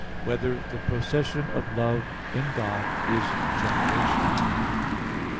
4] Whether the Procession of Love in God Is Generation?